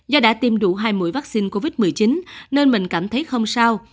do đã tiêm đủ hai mũi vaccine covid một mươi chín nên mình cảm thấy không sao